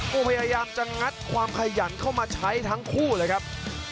พยายามจะงัดความขยันเข้ามาใช้ทั้งคู่เลยครับ